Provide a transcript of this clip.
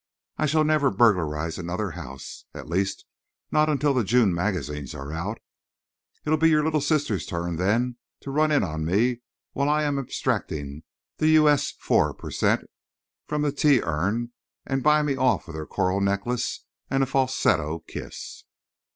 I shall never burglarize another house—at least not until the June magazines are out. It'll be your little sister's turn then to run in on me while I am abstracting the U. S. 4 per cent. from the tea urn and buy me off with her coral necklace and a falsetto kiss."